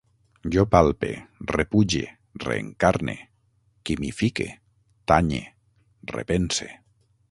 Jo palpe, repuge, reencarne, quimifique, tanye, repense